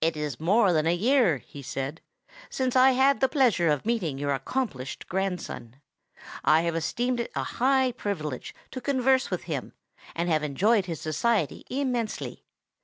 "It is more than a year," he said, "since I had the pleasure of meeting your accomplished grandson. I have esteemed it a high privilege to converse with him, and have enjoyed his society immensely.